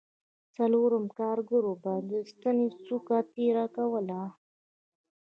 څلورم کارګر به د ستنې څوکه تېره کوله